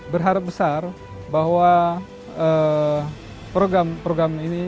berharap besar bahwa program program ini